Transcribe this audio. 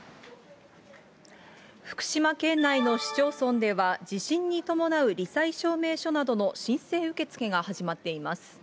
福島県内の市町村では、地震に伴うり災証明書などの申請受け付けが始まっています。